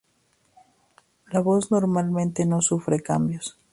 La voz normalmente no sufre cambios.